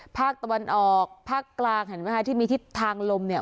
ภาคตะวันออกภาคกลางเห็นไหมคะที่มีทิศทางลมเนี่ย